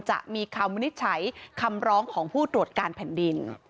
จะมีคำวินิจฉัยคำร้องของผู้ตรวจการแผ่นดิน